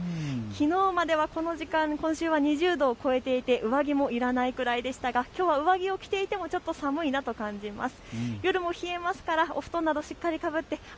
きのうまではこの時間今週は２０度を超えていて上着も要らないくらいでしたがきょうは上着を着ていてもちょっと寒いなと感じます。